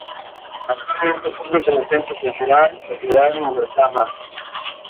Actualmente sirve como centro cultural, propiedad de Ibercaja.